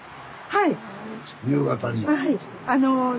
はい。